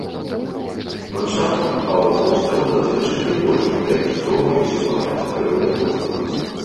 Ландшафт паўвострава надзвычай прыгожы і адлюстроўвае ўсё багацце прыроды вострава.